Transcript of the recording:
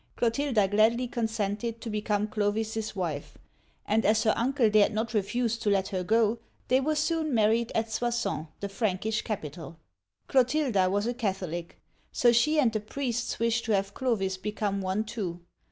Clotilda gladly consented to become Clovis*s wife, and as her uncle dared not refuse to let her go, they were soon married at Soissons, the Prankish capital. Clotilda was a Catholic ; so she and the priests wished to have Clovis become one, too.